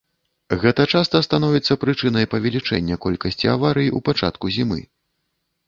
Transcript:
Гэта часта становіцца прычынай павелічэння колькасці аварый у пачатку зімы.